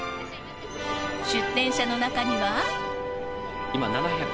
出店者の中には。